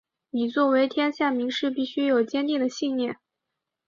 你作为天下名士必须有坚定的信念！